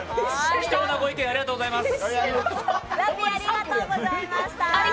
貴重なご意見ありがとうございます。